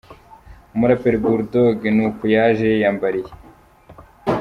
Umuraperi Bull Dogg ni uku yaje yiyambariye.